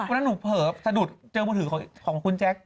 รี่ฉาบิ๊วซ์ผมผ่านพิกัดถวับเจอมือถือของคุณแจ็ค